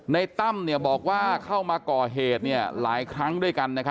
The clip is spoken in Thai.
ตั้มบอกว่าเข้ามาก่อเหตุหลายครั้งด้วยกัน